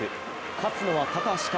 勝つのは高橋か